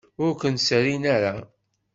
Ur ken-serrin ara.